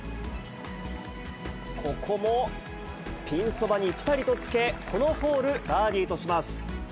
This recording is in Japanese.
ここもピンそばにぴたりとつけ、このホール、バーディーとします。